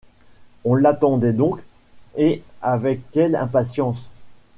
On l’attendait donc, et avec quelle impatience !